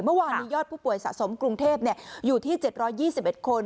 เมื่อวานนี้ยอดผู้ป่วยสะสมกรุงเทพอยู่ที่๗๒๑คน